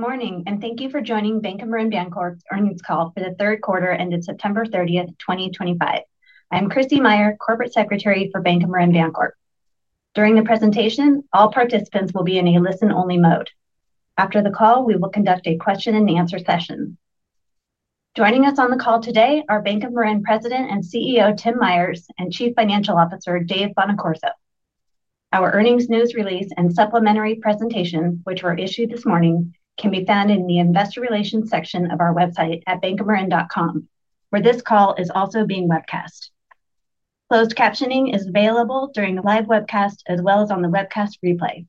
Good morning and thank you for joining Bank of Marin Bancorp's earnings call for the third quarter ended September 30th, 2025. I'm Krissy Meyer, Corporate Secretary for Bank of Marin Bancorp. During the presentation, all participants will be in a listen-only mode. After the call, we will conduct a question and answer session. Joining us on the call today are Bank of Marin President and CEO Tim Myers and Chief Financial Officer Dave Bonaccorso. Our earnings news release and supplementary presentations, which were issued this morning, can be found in the Investor Relations section of our website at bankofmarin.com, where this call is also being webcast. Closed captioning is available during the live webcast as well as on the webcast replay.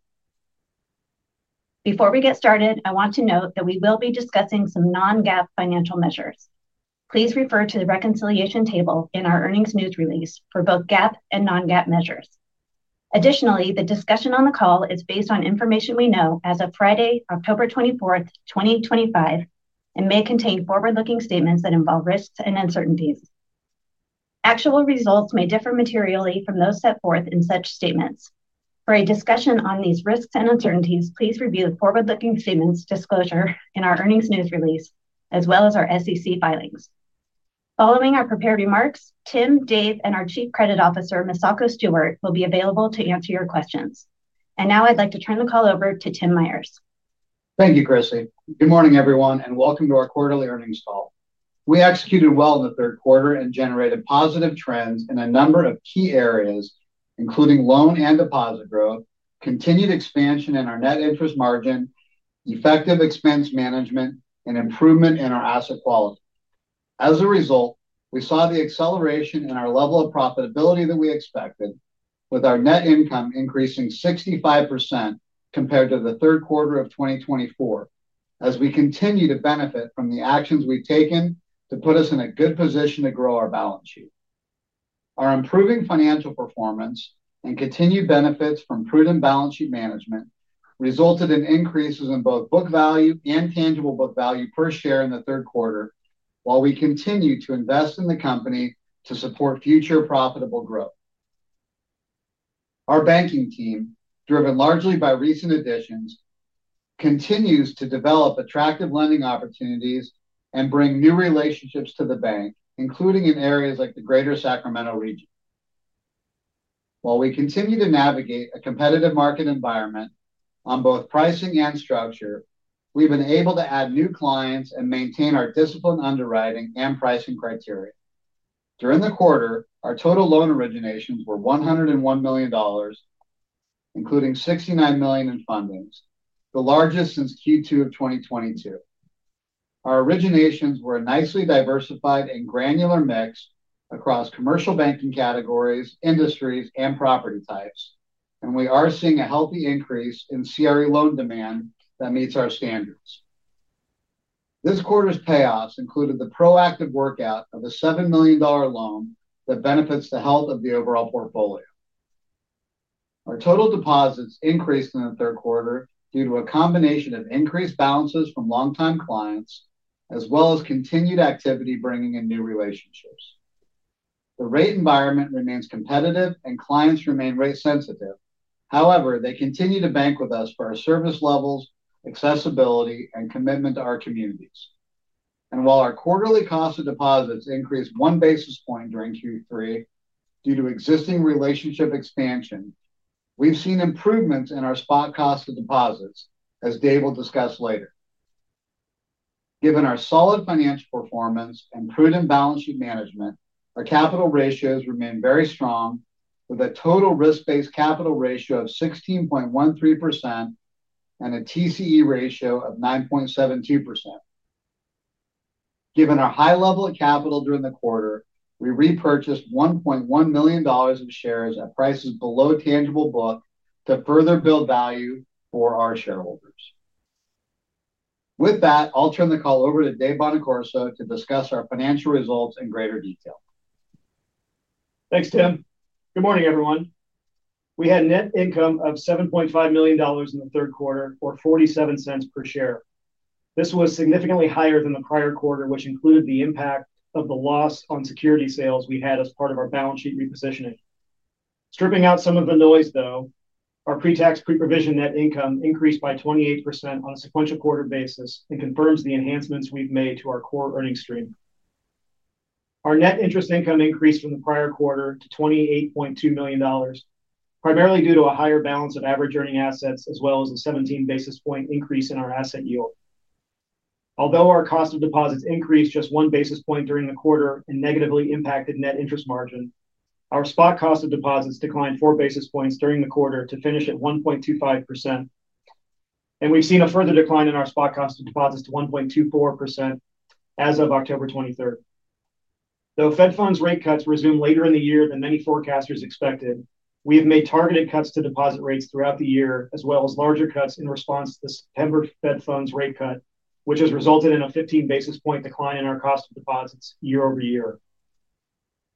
Before we get started, I want to note that we will be discussing some non-GAAP financial measures. Please refer to the reconciliation table in our earnings news release for both GAAP and non-GAAP measures. Additionally, the discussion on the call is based on information we know as of Friday, October 24th, 2025, and may contain forward-looking statements that involve risks and uncertainties. Actual results may differ materially from those set forth in such statements. For a discussion on these risks and uncertainties, please review the forward-looking statements disclosure in our earnings news release as well as our SEC filings. Following our prepared remarks, Tim, Dave, and our Chief Credit Officer Misako Stewart will be available to answer your questions. I would now like to turn the call over to Tim Myers. Thank you, Krissy. Good morning, everyone, and welcome to our quarterly earnings call. We executed well in the third quarter and generated positive trends in a number of key areas, including loan and deposit growth, continued expansion in our net interest margin, effective expense management, and improvement in our asset quality. As a result, we saw the acceleration in our level of profitability that we expected, with our net income increasing 65% compared to the third quarter of 2024, as we continue to benefit from the actions we've taken to put us in a good position to grow our balance sheet. Our improving financial performance and continued benefits from prudent balance sheet management resulted in increases in both book value and tangible book value per share in the third quarter, while we continue to invest in the company to support future profitable growth. Our banking team, driven largely by recent additions, continues to develop attractive lending opportunities and bring new relationships to the bank, including in areas like the Greater Sacramento region. While we continue to navigate a competitive market environment on both pricing and structure, we've been able to add new clients and maintain our disciplined underwriting and pricing criteria. During the quarter, our total loan originations were $101 million, including $69 million in fundings, the largest since Q2 of 2022. Our originations were a nicely diversified and granular mix across commercial banking categories, industries, and property types, and we are seeing a healthy increase in CRE loan demand that meets our standards. This quarter's payoffs included the proactive workout of a $7 million loan that benefits the health of the overall portfolio. Our total deposits increased in the third quarter due to a combination of increased balances from long-time clients as well as continued activity bringing in new relationships. The rate environment remains competitive and clients remain rate sensitive. However, they continue to bank with us for our service levels, accessibility, and commitment to our communities. While our quarterly cost of deposits increased one basis point during Q3 due to existing relationship expansion, we've seen improvements in our spot cost of deposits, as Dave will discuss later. Given our solid financial performance and prudent balance sheet management, our capital ratios remain very strong with a total risk-based capital ratio of 16.13% and a TCE ratio of 9.72%. Given our high level of capital during the quarter, we repurchased $1.1 million of shares at prices below tangible book to further build value for our shareholders. With that, I'll turn the call over to Dave Bonaccorso to discuss our financial results in greater detail. Thanks, Tim. Good morning, everyone. We had a net income of $7.5 million in the third quarter, or $0.47 per share. This was significantly higher than the prior quarter, which included the impact of the loss on security sales we had as part of our balance sheet repositioning. Stripping out some of the noise, though, our pre-tax pre-provision net income increased by 28% on a sequential quarter basis and confirms the enhancements we've made to our core earnings stream. Our net interest income increased from the prior quarter to $28.2 million, primarily due to a higher balance of average earning assets as well as a 17 basis point increase in our asset yield. Although our cost of deposits increased just 1 basis point during the quarter and negatively impacted net interest margin, our spot cost of deposits declined 4 basis points during the quarter to finish at 1.25%. We have seen a further decline in our spot cost of deposits to 1.24% as of October 23rd. Though Fed Funds rate cuts resume later in the year than many forecasters expected, we have made targeted cuts to deposit rates throughout the year, as well as larger cuts in response to the September Fed Funds rate cut, which has resulted in a 15 basis point decline in our cost of deposits year-over-year.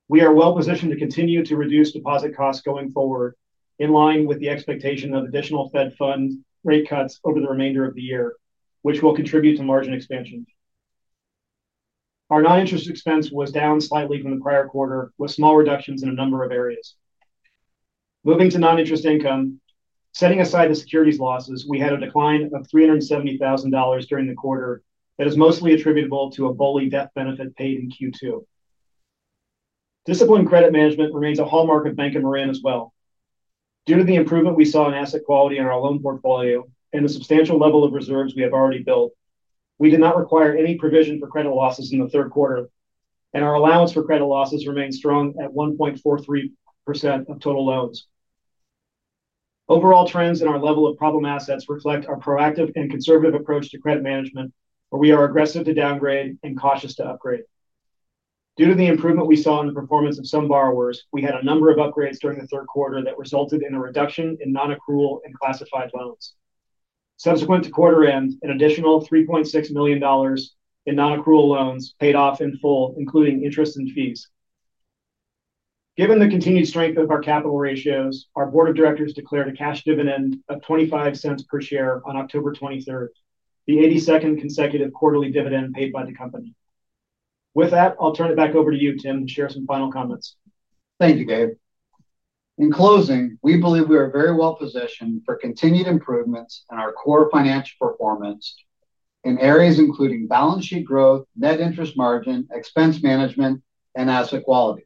We are well positioned to continue to reduce deposit costs going forward, in line with the expectation of additional Fed Funds rate cuts over the remainder of the year, which will contribute to margin expansion. Our non-interest expense was down slightly from the prior quarter, with small reductions in a number of areas. Moving to non-interest income, setting aside the securities losses, we had a decline of $370,000 during the quarter that is mostly attributable to a BOLI death benefit paid in Q2. Disciplined credit management remains a hallmark of Bank of Marin Bancorp as well. Due to the improvement we saw in asset quality in our loan portfolio and the substantial level of reserves we have already built, we did not require any provision for credit losses in the third quarter, and our allowance for credit losses remains strong at 1.43% of total loans. Overall trends in our level of problem assets reflect our proactive and conservative approach to credit management, where we are aggressive to downgrade and cautious to upgrade. Due to the improvement we saw in the performance of some borrowers, we had a number of upgrades during the third quarter that resulted in a reduction in non-accrual and classified loans. Subsequent to quarter end, an additional $3.6 million in non-accrual loans paid off in full, including interest and fees. Given the continued strength of our capital ratios, our board of directors declared a cash dividend of $0.25 per share on October 23rd, the 82nd consecutive quarterly dividend paid by the company. With that, I'll turn it back over to you, Tim, to share some final comments. Thank you, Dave. In closing, we believe we are very well positioned for continued improvements in our core financial performance in areas including balance sheet growth, net interest margin, expense management, and asset quality.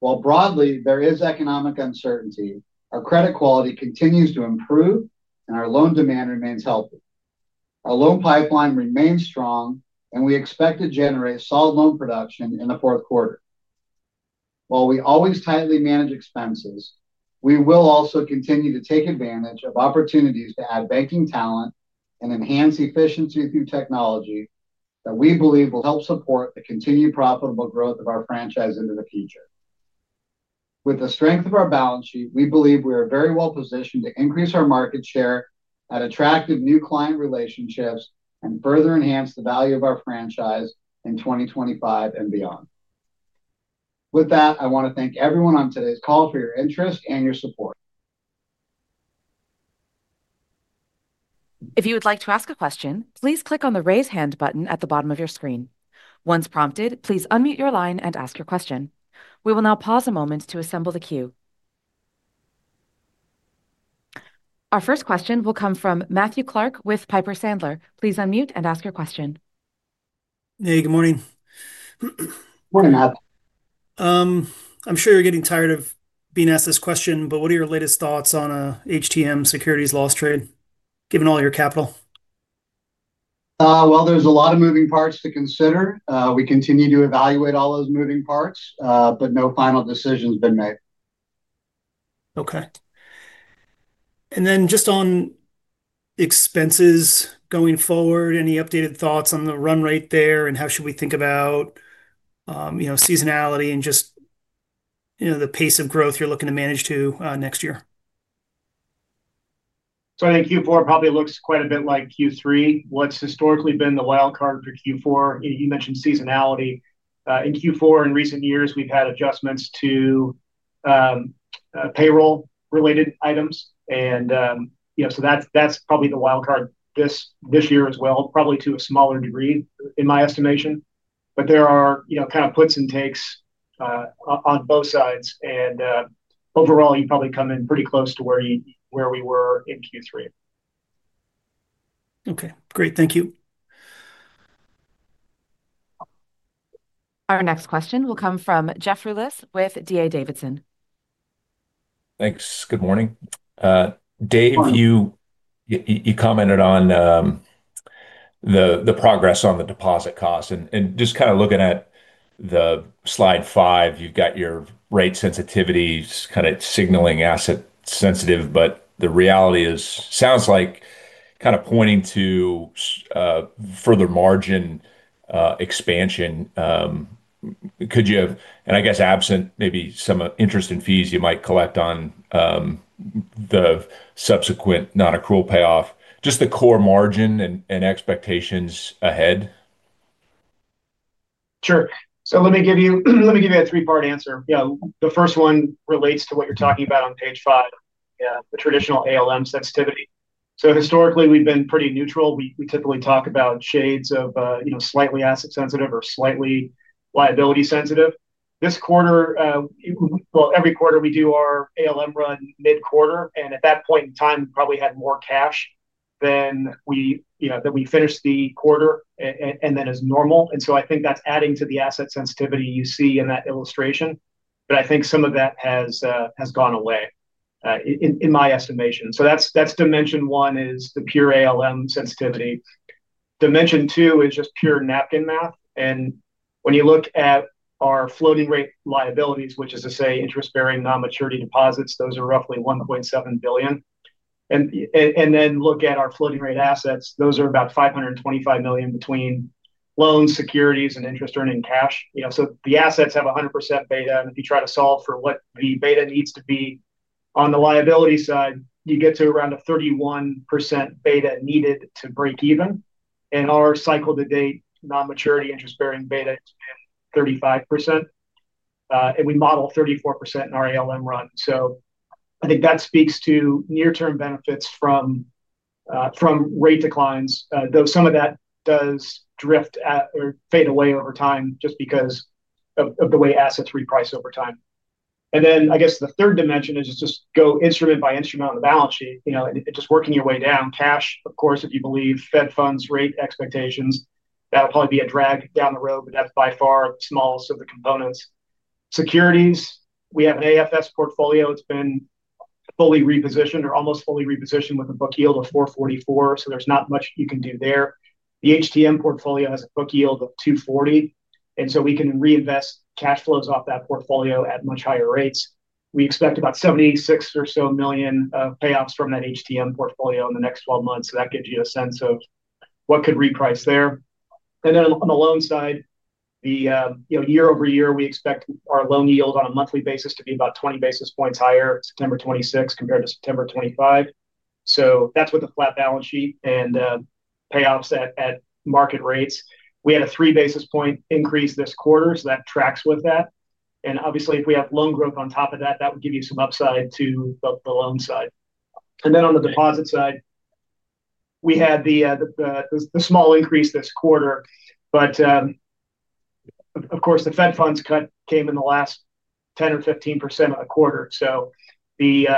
While broadly, there is economic uncertainty, our credit quality continues to improve and our loan demand remains healthy. Our loan pipeline remains strong and we expect to generate solid loan production in the fourth quarter. While we always tightly manage expenses, we will also continue to take advantage of opportunities to add banking talent and enhance efficiency through technology that we believe will help support the continued profitable growth of our franchise into the future. With the strength of our balance sheet, we believe we are very well positioned to increase our market share, add attractive new client relationships, and further enhance the value of our franchise in 2025 and beyond. With that, I want to thank everyone on today's call for your interest and your support. If you would like to ask a question, please click on the Raise Hand button at the bottom of your screen. Once prompted, please unmute your line and ask your question. We will now pause a moment to assemble the queue. Our first question will come from Matthew Clark with Piper Sandler. Please unmute and ask your question. Hey, good morning. Morning, Matt. I'm sure you're getting tired of being asked this question, but what are your latest thoughts on an HTM securities loss trade, given all your capital? There are a lot of moving parts to consider. We continue to evaluate all those moving parts, but no final decision has been made. Okay. Just on expenses going forward, any updated thoughts on the run rate there and how should we think about seasonality and just the pace of growth you're looking to manage to next year? I think Q4 probably looks quite a bit like Q3. What's historically been the wildcard for Q4, you mentioned seasonality. In Q4, in recent years, we've had adjustments to payroll-related items. That's probably the wildcard this year as well, probably to a smaller degree, in my estimation. There are kind of puts and takes on both sides. Overall, you probably come in pretty close to where we were in Q3. Okay. Great. Thank you. Our next question will come from Jeffrey Rulis with D.A. Davidson. Thanks. Good morning. Dave, you commented on the progress on the deposit cost. Just kind of looking at slide five, you've got your rate sensitivities kind of signaling asset sensitivity, but the reality sounds like kind of pointing to further margin expansion. Could you, and I guess absent maybe some interest and fees you might collect on the subsequent non-accrual payoff, just the core margin and expectations ahead? Sure. Let me give you a three-part answer. The first one relates to what you're talking about on page five, the traditional ALM sensitivity. Historically, we've been pretty neutral. We typically talk about shades of slightly asset sensitive or slightly liability sensitive. This quarter, every quarter we do our ALM run mid-quarter. At that point in time, we probably had more cash than we finished the quarter and then as normal. I think that's adding to the asset sensitivity you see in that illustration. I think some of that has gone away in my estimation. That's dimension one, the pure ALM sensitivity. Dimension two is just pure napkin math. When you look at our floating rate liabilities, which is to say interest-bearing non-maturity deposits, those are roughly $1.7 billion. Then look at our floating rate assets, those are about $525 million between loans, securities, and interest earning cash. The assets have 100% beta. If you try to solve for what the beta needs to be on the liability side, you get to around a 31% beta needed to break even. Our cycle-to-date non-maturity interest-bearing beta has been 35%. We model 34% in our ALM run. I think that speaks to near-term benefits from rate declines, though some of that does drift or fade away over time just because of the way assets reprice over time. The third dimension is just go instrument by instrument on the balance sheet, just working your way down. Cash, of course, if you believe Fed Funds rate expectations, that would probably be a drag down the road, but that's by far the smallest of the components. Securities, we have an AFS portfolio. It's been fully repositioned or almost fully repositioned with a book yield of 4.44%. There's not much you can do there. The HTM portfolio has a book yield of 2.40%. We can reinvest cash flows off that portfolio at much higher rates. We expect about $76 million or so payoffs from that HTM portfolio in the next 12 months. That gives you a sense of what could reprice there. On the loan side, year-over year, we expect our loan yield on a monthly basis to be about 20 basis points higher September 2026 compared to September 2025. That's with a flat balance sheet and payoffs at market rates. We had a three basis point increase this quarter, so that tracks with that. If we have loan growth on top of that, that would give you some upside to the loan side. On the deposit side, we had the small increase this quarter. The Fed Funds cut came in the last 10% or 15% of the quarter, so the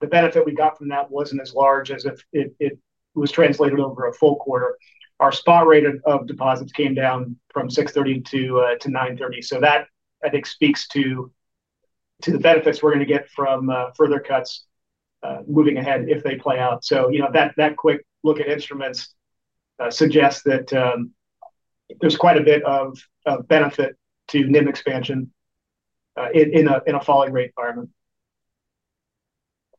benefit we got from that wasn't as large as if it was translated over a full quarter. Our spot rate of deposits came down from 6.30% to 9.30%. That, I think, speaks to the benefits we're going to get from further cuts moving ahead if they play out. A quick look at instruments suggests that there's quite a bit of benefit to net interest margin (NIM) expansion in a falling rate environment.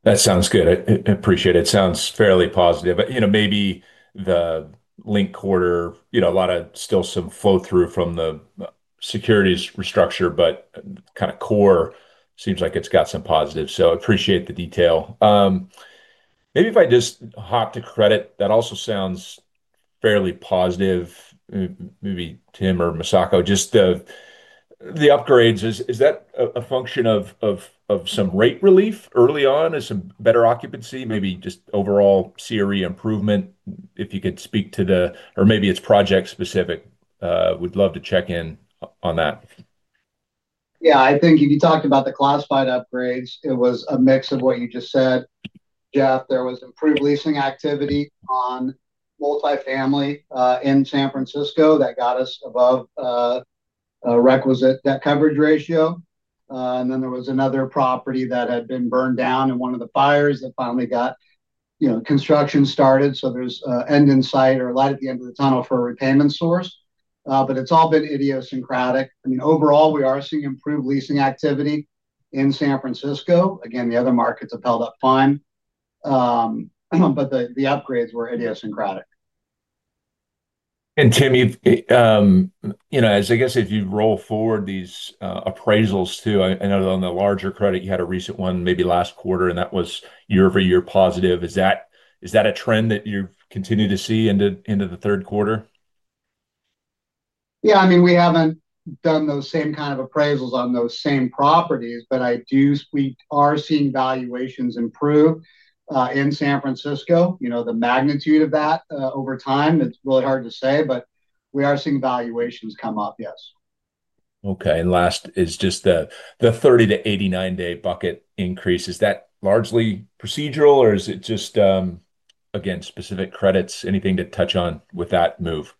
That sounds good. I appreciate it. It sounds fairly positive. Maybe the link quarter, a lot of still some flow through from the securities restructure, but kind of core seems like it's got some positives. I appreciate the detail. Maybe if I just hop to credit, that also sounds fairly positive. Maybe Tim or Misako, just the upgrades, is that a function of some rate relief early on and some better occupancy? Maybe just overall CRE improvement, if you could speak to the, or maybe it's project specific. We'd love to check in on that. Yeah, I think if you talked about the classified upgrades, it was a mix of what you just said, Jeff. There was improved leasing activity on multifamily in San Francisco that got us above a requisite debt coverage ratio. There was another property that had been burned down in one of the fires that finally got construction started. There is an end in sight or a light at the end of the tunnel for a repayment source. It's all been idiosyncratic. Overall, we are seeing improved leasing activity in San Francisco. The other markets have held up fine. The upgrades were idiosyncratic. Tim, if you roll forward these appraisals too, I know that on the larger credit, you had a recent one maybe last quarter, and that was year-over-year positive. Is that a trend that you've continued to see into the third quarter? Yeah, we haven't done those same kind of appraisals on those same properties, but we are seeing valuations improve in San Francisco. The magnitude of that over time, it's really hard to say, but we are seeing valuations come up, yes. Okay. Last is just the 30 to 89-day bucket increase. Is that largely procedural, or is it just, again, specific credits, anything to touch on with that move?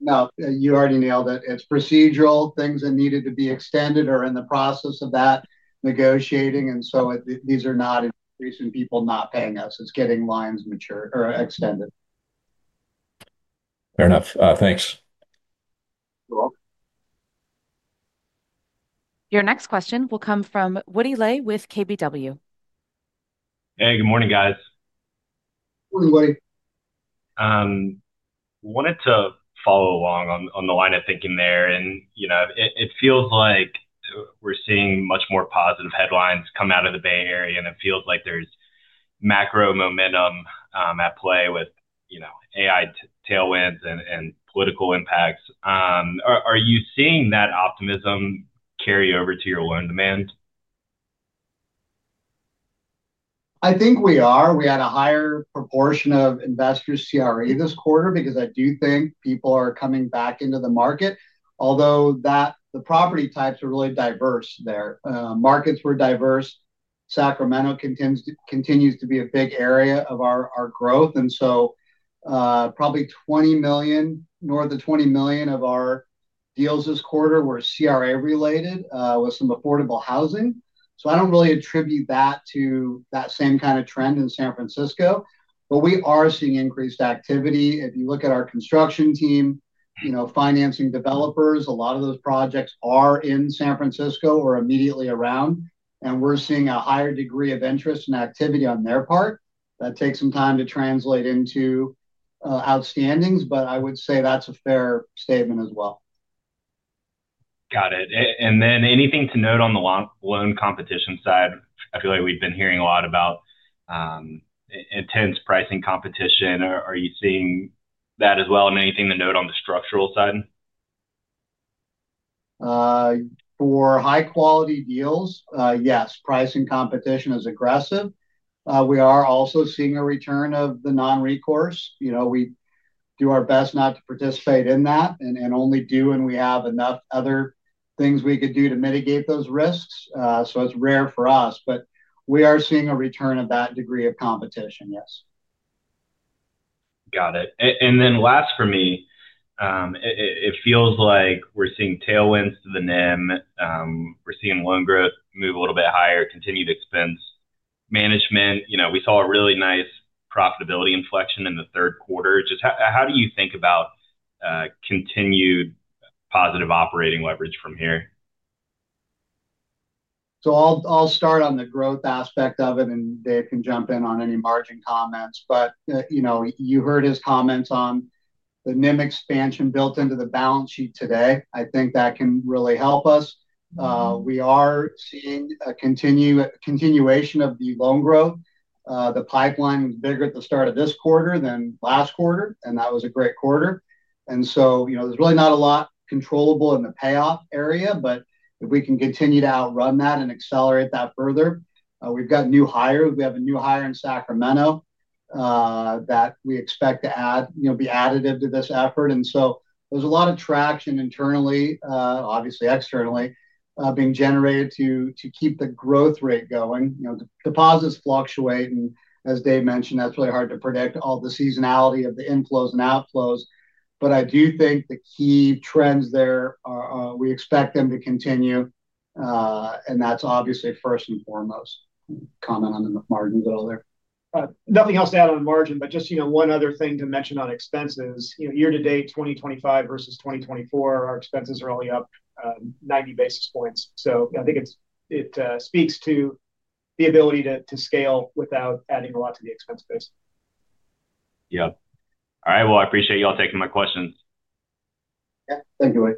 No, you already nailed it. It's procedural. Things that needed to be extended are in the process of that negotiating. These are not increasing people not paying us. It's getting lines mature or extended. Fair enough. Thanks. You're welcome. Your next question will come from Woody Lay with KBW. Hey, good morning, guys. Morning, Woody. I wanted to follow along on the line of thinking there. You know, it feels like we're seeing much more positive headlines come out of the Bay Area, and it feels like there's macro momentum at play with, you know, AI tailwinds and political impacts. Are you seeing that optimism carry over to your loan demand? I think we are. We had a higher proportion of investor CRE this quarter because I do think people are coming back into the market, although the property types are really diverse there. Markets were diverse. Sacramento continues to be a big area of our growth. Probably $20 million, north of $20 million of our deals this quarter were CRA-related with some affordable housing. I don't really attribute that to that same kind of trend in San Francisco. We are seeing increased activity. If you look at our construction team, financing developers, a lot of those projects are in San Francisco or immediately around. We're seeing a higher degree of interest and activity on their part. That takes some time to translate into outstandings, but I would say that's a fair statement as well. Got it. Is there anything to note on the loan competition side? I feel like we've been hearing a lot about intense pricing competition. Are you seeing that as well? Is there anything to note on the structural side? For high-quality deals, yes, pricing competition is aggressive. We are also seeing a return of the non-recourse. We do our best not to participate in that and only do when we have enough other things we could do to mitigate those risks. It is rare for us, but we are seeing a return of that degree of competition, yes. Got it. Last for me, it feels like we're seeing tailwinds to the NIM. We're seeing loan growth move a little bit higher, continued expense management. You know, we saw a really nice profitability inflection in the third quarter. Just how do you think about continued positive operating leverage from here? I'll start on the growth aspect of it, and Dave can jump in on any margin comments. You heard his comments on the NIM expansion built into the balance sheet today. I think that can really help us. We are seeing a continuation of the loan growth. The pipeline was bigger at the start of this quarter than last quarter, and that was a great quarter. There's really not a lot controllable in the payoff area, but if we can continue to outrun that and accelerate that further, we've got new hires. We have a new hire in Sacramento that we expect to add, be additive to this effort. There's a lot of traction internally, obviously, externally being generated to keep the growth rate going. Deposits fluctuate, and as Dave mentioned, that's really hard to predict all the seasonality of the inflows and outflows. I do think the key trends there are, we expect them to continue, and that's obviously first and foremost. Comment on the margins at all there. Nothing else to add on the margin, just one other thing to mention on expenses. Year to date, 2025 versus 2024, our expenses are only up 90 basis points. I think it speaks to the ability to scale without adding a lot to the expense base. All right. I appreciate you all taking my questions. Thank you, Woody.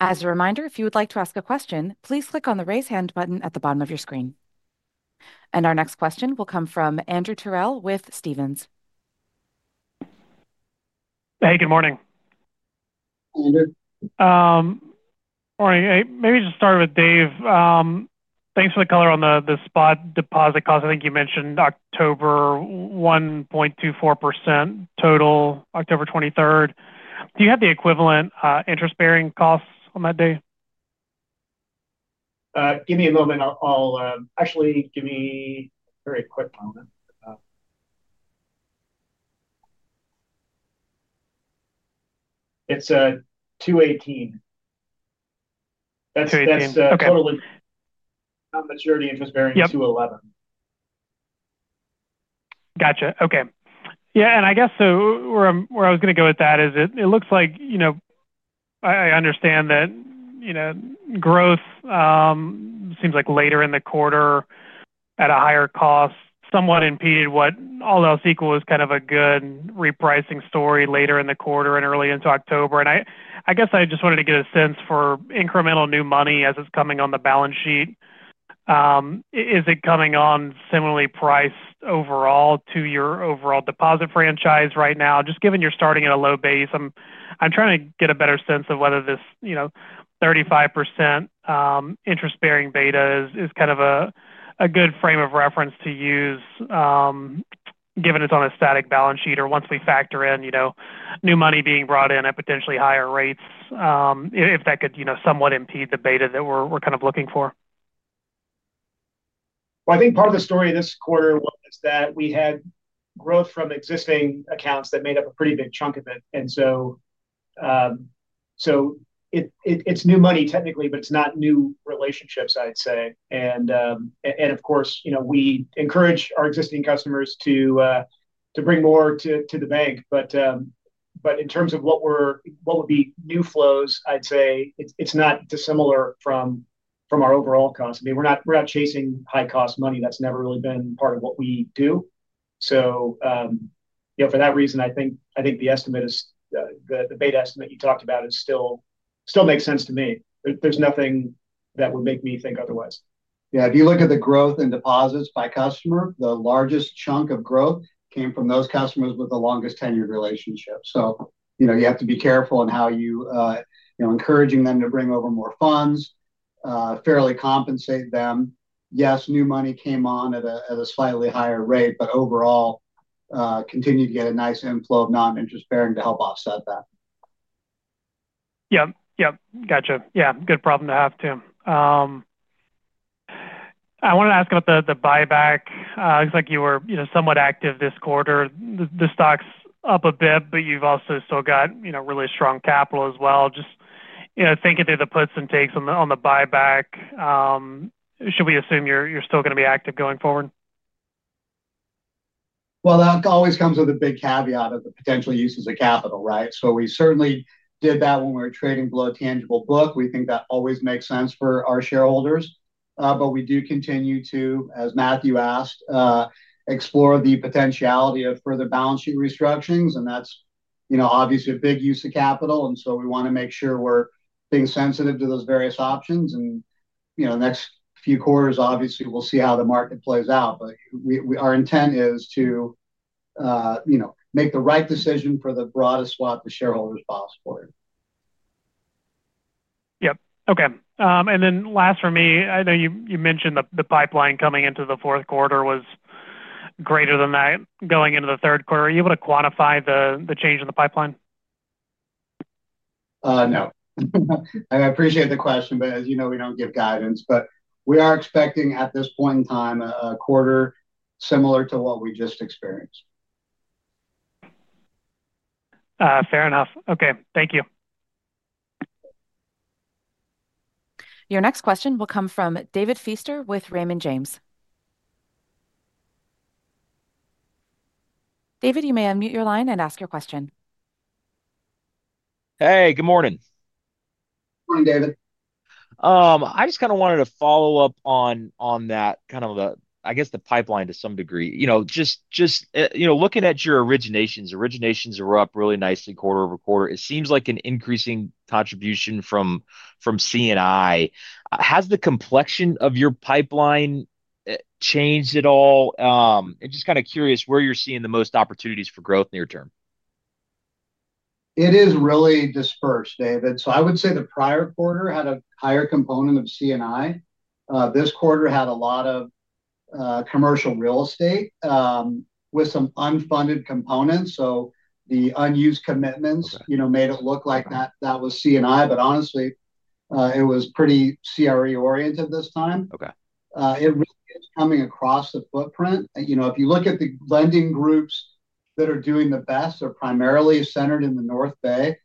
As a reminder, if you would like to ask a question, please click on the Raise Hand button at the bottom of your screen. Our next question will come from Andrew Terrell with Stephens. Hey, good morning. Hey, Andrew. Morning. Maybe just start with Dave. Thanks for the color on the spot deposit cost. I think you mentioned October 1.24% total October 23rd. Do you have the equivalent interest-bearing costs on that day? Give me a moment. Give me a very quick moment. It's $218 million. That's total non-maturity interest bearing, $211 million. Gotcha. Okay. I guess where I was going to go with that is it looks like, you know, I understand that growth seems like later in the quarter at a higher cost somewhat impeded what all else equal is kind of a good repricing story later in the quarter and early into October. I just wanted to get a sense for incremental new money as it's coming on the balance sheet. Is it coming on similarly priced overall to your overall deposit franchise right now? Just given you're starting at a low base, I'm trying to get a better sense of whether this 35% interest-bearing beta is kind of a good frame of reference to use, given it's on a static balance sheet, or once we factor in new money being brought in at potentially higher rates, if that could somewhat impede the beta that we're kind of looking for. I think part of the story this quarter was that we had growth from existing accounts that made up a pretty big chunk of it. It's new money technically, but it's not new relationships, I'd say. Of course, we encourage our existing customers to bring more to the bank. In terms of what would be new flows, I'd say it's not dissimilar from our overall cost. I mean, we're not chasing high-cost money. That's never really been part of what we do. For that reason, I think the estimate, the beta estimate you talked about, still makes sense to me. There's nothing that would make me think otherwise. If you look at the growth in deposits by customer, the largest chunk of growth came from those customers with the longest 10-year relationship. You have to be careful in how you're encouraging them to bring over more funds, fairly compensate them. Yes, new money came on at a slightly higher rate, but overall, continued to get a nice inflow of non-interest bearing to help offset that. Yeah. Gotcha. Yeah. Good problem to have, Tim. I wanted to ask about the buyback. It looks like you were somewhat active this quarter. The stock's up a bit, but you've also still got really strong capital as well. Just thinking through the puts and takes on the buyback, should we assume you're still going to be active going forward? That always comes with a big caveat of the potential uses of capital, right? We certainly did that when we were trading below tangible book. We think that always makes sense for our shareholders. We do continue to, as Matthew asked, explore the potentiality of further balance sheet restructurings. That's obviously a big use of capital, and we want to make sure we're being sensitive to those various options. The next few quarters, obviously, we'll see how the market plays out. Our intent is to make the right decision for the broadest swath of shareholders possible. Okay. Last for me, I know you mentioned the pipeline coming into the fourth quarter was greater than that going into the third quarter. Are you able to quantify the change in the pipeline? No, I appreciate the question, but as you know, we don't give guidance. We are expecting at this point in time a quarter similar to what we just experienced. Fair enough. Okay, thank you. Your next question will come from David Feaster with Raymond James. David, you may unmute your line and ask your question. Hey, good morning. Morning, David. I just wanted to follow up on that, the pipeline to some degree. You know, just looking at your originations, originations are up really nicely quarter over quarter. It seems like an increasing contribution from CNI. Has the complexion of your pipeline changed at all? I'm just curious where you're seeing the most opportunities for growth near term. It is really dispersed, David. I would say the prior quarter had a higher component of CNI. This quarter had a lot of commercial real estate with some unfunded components. The unused commitments made it look like that was CNI, but honestly, it was pretty CRE-oriented this time. It really is coming across the footprint. If you look at the lending groups that are doing the best, they're primarily centered in the North Bay,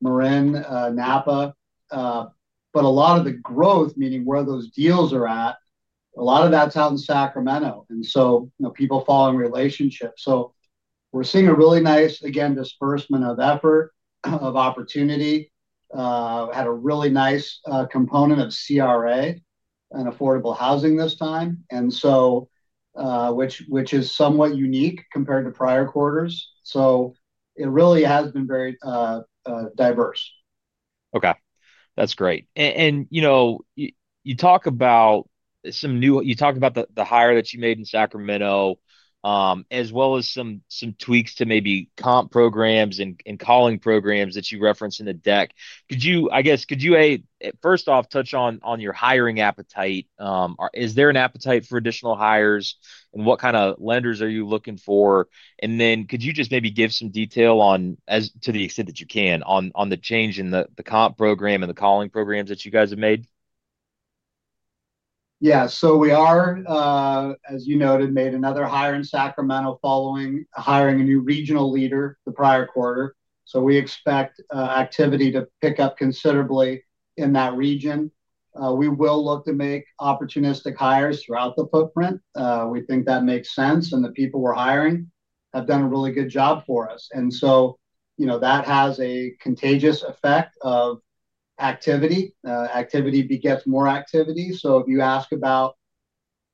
Marin, Napa. A lot of the growth, meaning where those deals are at, a lot of that's out in Sacramento. People fall in relationships. We're seeing a really nice, again, dispersement of effort, of opportunity. Had a really nice component of CRA and affordable housing this time, which is somewhat unique compared to prior quarters. It really has been very diverse. Okay. That's great. You talk about some new, you talk about the hire that you made in Sacramento, as well as some tweaks to maybe comp programs and calling programs that you referenced in the deck. Could you, first off, touch on your hiring appetite? Is there an appetite for additional hires? What kind of lenders are you looking for? Could you just maybe give some detail on, to the extent that you can, on the change in the comp program and the calling programs that you guys have made? Yeah. We are, as you noted, made another hire in Sacramento following hiring a new regional leader the prior quarter. We expect activity to pick up considerably in that region. We will look to make opportunistic hires throughout the footprint. We think that makes sense. The people we're hiring have done a really good job for us. That has a contagious effect of activity. Activity begets more activity. If you ask about,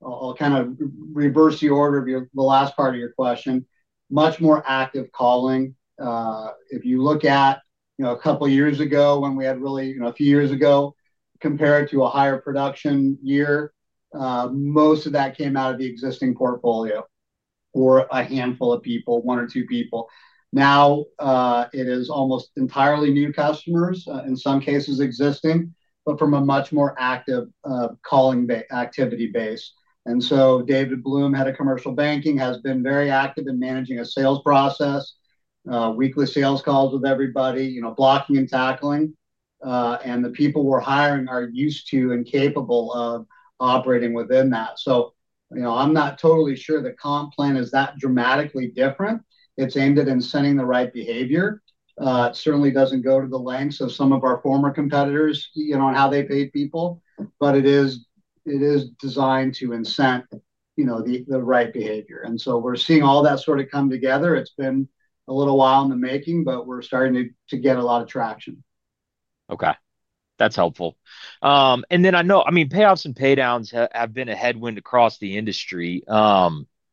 I'll kind of reverse the order of the last part of your question, much more active calling. If you look at a couple of years ago when we had really, a few years ago, compared to a higher production year, most of that came out of the existing portfolio for a handful of people, one or two people. Now, it is almost entirely new customers, in some cases existing, but from a much more active calling activity base. David Blum, Head of Commercial Banking, has been very active in managing a sales process, weekly sales calls with everybody, blocking and tackling. The people we're hiring are used to and capable of operating within that. I'm not totally sure the comp plan is that dramatically different. It's aimed at incenting the right behavior. It certainly doesn't go to the lengths of some of our former competitors and how they paid people. It is designed to incent the right behavior. We're seeing all that sort of come together. It's been a little while in the making, but we're starting to get a lot of traction. Okay. That's helpful. I know payoffs and paydowns have been a headwind across the industry.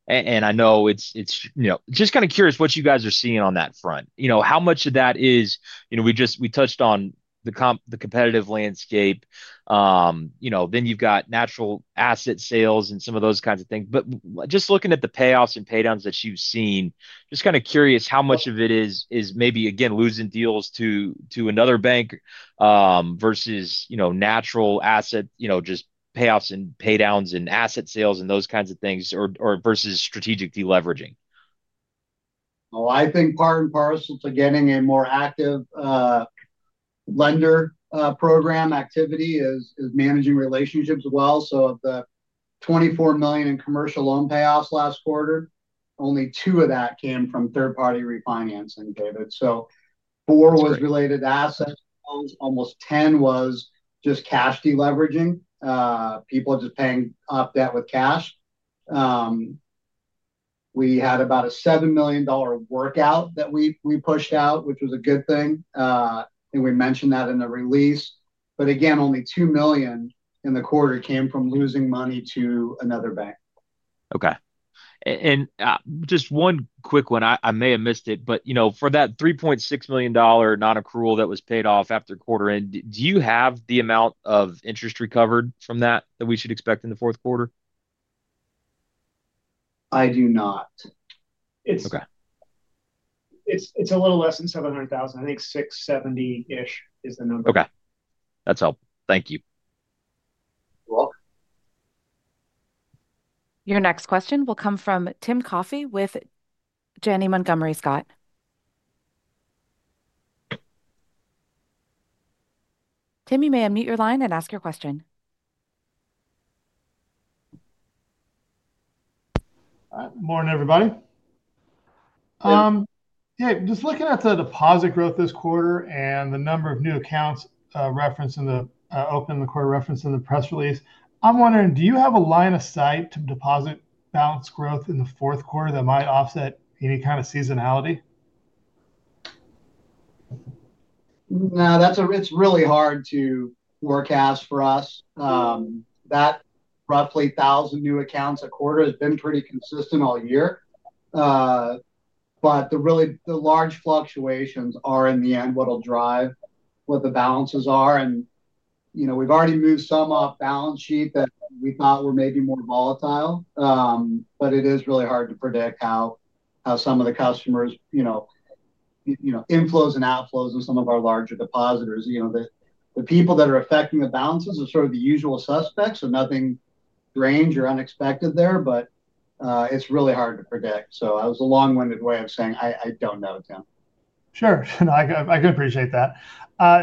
I know it's, you know, just kind of curious what you guys are seeing on that front. How much of that is, you know, we just, we touched on the competitive landscape. You've got natural asset sales and some of those kinds of things. Just looking at the payoffs and paydowns that you've seen, kind of curious how much of it is maybe, again, losing deals to another bank versus, you know, natural asset, you know, just payoffs and paydowns and asset sales and those kinds of things, versus strategic de-leveraging? I think part and parcel to getting a more active lender program activity is managing relationships well. Of the $24 million in commercial loan payoffs last quarter, only $2 million of that came from third-party refinancing, David. $4 million was related to asset sales, almost $10 million was just cash de-leveraging. People are just paying off debt with cash. We had about a $7 million workout that we pushed out, which was a good thing. We mentioned that in the release. Only $2 million in the quarter came from losing money to another bank. Okay. Just one quick one, I may have missed it, but for that $3.6 million non-accrual that was paid off after quarter end, do you have the amount of interest recovered from that that we should expect in the fourth quarter? I do not. It's a little less than $700,000. I think $670,000-ish is the number. Okay, that's helpful. Thank you. You're welcome. Your next question will come from Tim Coffey with Janney Montgomery Scott. Tim, you may unmute your line and ask your question. Morning, everybody. Morning. Just looking at the deposit growth this quarter and the number of new accounts referenced in the opening of the quarter referenced in the press release, I'm wondering, do you have a line of sight to deposit balance growth in the fourth quarter that might offset any kind of seasonality? No, that's a, it's really hard to forecast for us. That roughly 1,000 new accounts a quarter has been pretty consistent all year. The really large fluctuations are in the end what will drive what the balances are. You know, we've already moved some off balance sheet that we thought were maybe more volatile. It is really hard to predict how some of the customers, you know, inflows and outflows of some of our larger depositors. The people that are affecting the balances are sort of the usual suspects. Nothing strange or unexpected there, but it's really hard to predict. That was a long-winded way of saying I don't know, Tim. Sure. I can appreciate that.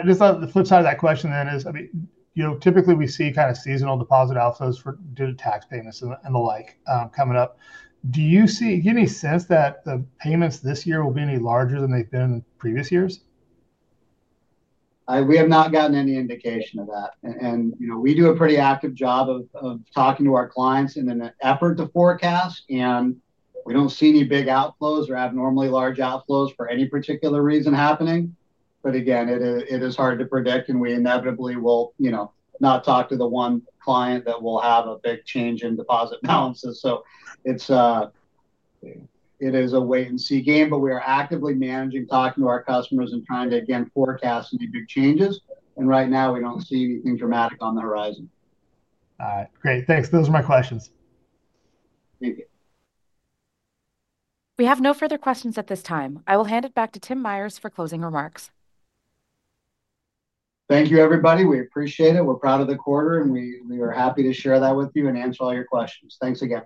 Just on the flip side of that question, typically we see kind of seasonal deposit outflows due to tax payments and the like coming up. Do you have any sense that the payments this year will be any larger than they've been in previous years? We have not gotten any indication of that. We do a pretty active job of talking to our clients in an effort to forecast, and we don't see any big outflows or abnormally large outflows for any particular reason happening. It is hard to predict. We inevitably will not talk to the one client that will have a big change in deposit balances. It is a wait-and-see game, but we are actively managing, talking to our customers, and trying to forecast any big changes. Right now, we don't see anything dramatic on the horizon. All right. Great. Thanks. Those are my questions. Thank you. We have no further questions at this time. I will hand it back to Tim Myers for closing remarks. Thank you, everybody. We appreciate it. We're proud of the quarter, and we are happy to share that with you and answer all your questions. Thanks again.